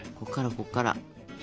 こっからこっから。